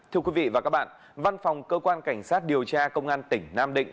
thưa quý vị và các bạn văn phòng cơ quan cảnh sát điều tra công an tỉnh nam định